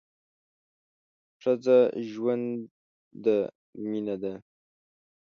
ښځه ژوند ده ، مینه ده